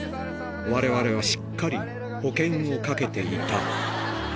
われわれはしっかり保険をかけていた。